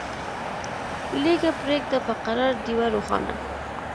لیږه پریږده په قرار ډېوه روښانه